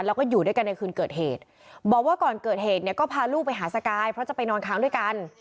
แล้วก็อยู่ด้วยกันในคืนเกิดเหตุบอกว่าก่อนเกิดเหตุเนี่ยก็พาลูกไปหาสกายเพราะจะไปนอนค้างด้วยกัน